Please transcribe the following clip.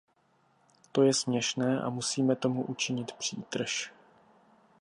To je směšné a musíme tomu učinit přítrž.